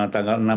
tanggal enam juni